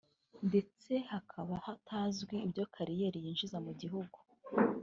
ndetse hakaba hatazwi ibyo kariyeri yinjiza mu gihugu